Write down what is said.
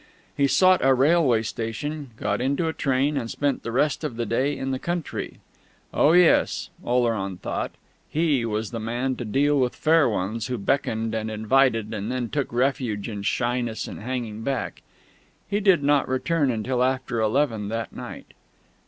He sought a railway station, got into a train, and spent the rest of the day in the country. Oh, yes: Oleron thought he was the man to deal with Fair Ones who beckoned, and invited, and then took refuge in shyness and hanging back! He did not return until after eleven that night.